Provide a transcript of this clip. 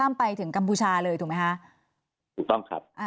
ข้ามไปถึงกัมพูชาเลยถูกมั้ยฮะถูกต้องครับ